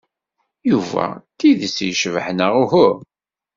Yuba d tidet yecbeḥ neɣ uhu?